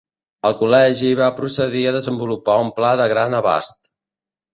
El Col·legi va procedir a desenvolupar un pla de gran abast.